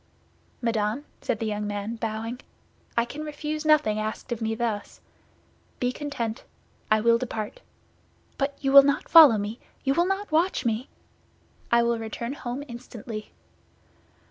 "Madame," said the young man, bowing; "I can refuse nothing asked of me thus. Be content; I will depart." "But you will not follow me; you will not watch me?" "I will return home instantly."